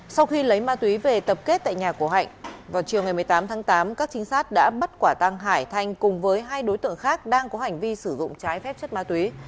sau khi lấy ma túy về tập kết tại nhà của hạnh vào chiều ngày một mươi tám tháng tám các trinh sát đã bắt quả tăng hải thanh cùng với hai đối tượng khác đang có hành vi sử dụng trái phép chất ma túy